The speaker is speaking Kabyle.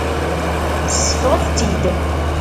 Seffɣet-tt-id.